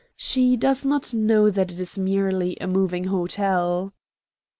She does not know that it is merely a moving hotel."